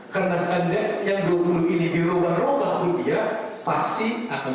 karena seandainya yang dua puluh ini diroba robapun dia pasti akan